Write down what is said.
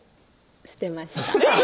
捨てましたえぇ！